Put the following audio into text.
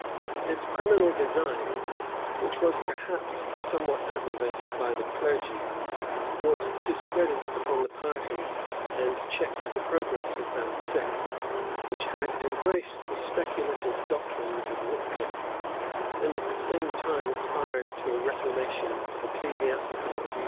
[] This criminal design, which was perhaps somewhat aggravated by the clergy, brought discredit upon the party, and checked the progress of that sect, which had embraced the speculative doctrines of Wickliffe, and at the same time aspired to a reformation of ecclesiastical abuses.